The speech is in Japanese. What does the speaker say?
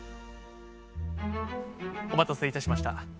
お待たせいたしました。